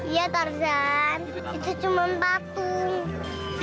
iya tarzan itu cuma patung